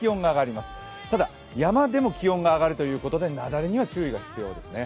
ただ、山でも気温が上がるということで、雪崩には注意が必要ですね